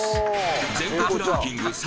全国ランキング